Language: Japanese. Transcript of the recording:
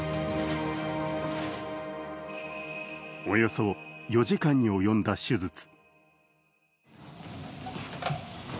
およそ４時間に及んだ手術。